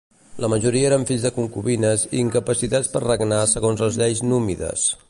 La majoria eren fills de concubines i incapacitats per regnar segons les lleis númides.